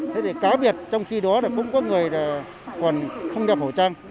thế thì cá biệt trong khi đó là cũng có người còn không đeo khẩu trang